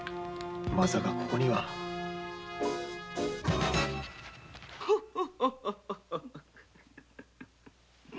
まさかここには。ホホホ。